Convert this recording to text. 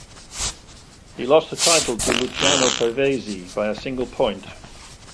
He lost the title to Luciano Pavesi by a single point.